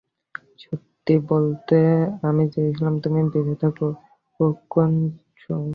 সত্যি বলতে, আমি চেয়েছিলাম তুমি বেঁচে থাকো, ওকোৎসু।